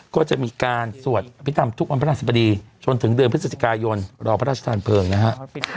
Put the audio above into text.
ก็จะมีการสวดอภิษฐรรมทุกวันพระราชบดีจนถึงเดือนพฤศจิกายนรอพระราชทานเพลิงนะฮะ